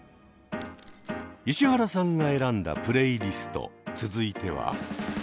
石原さんが選んだプレイリスト続いては。